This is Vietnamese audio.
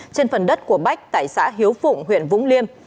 trên phần đất của bách tại xã hiếu phụng huyện vũng liêm